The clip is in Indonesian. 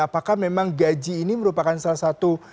apakah memang gaji ini merupakan salah satu